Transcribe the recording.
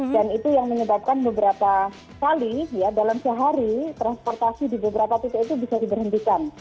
dan itu yang menyebabkan beberapa kali dalam sehari transportasi di beberapa titik itu bisa diberhentikan